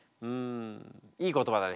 いい言葉だね。